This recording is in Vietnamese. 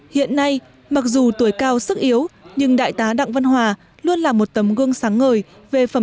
hiện nay mặc dù tuổi cao sức yếu nhưng đại tá đặng văn hòa luôn là một tấm gương sáng ngời về phẩm